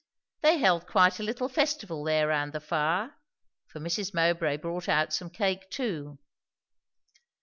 They held quite a little festival there round the fire; for Mrs. Mowbray brought out some cake too.